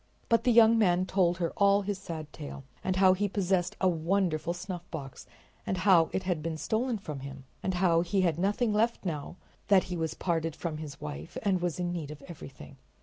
But the young man told her all his sad tale, and how he possessed a wonderful snuffbox, and how it had been stolen from him, and how he had nothing left now that he was parted from his wife and was in need of everything.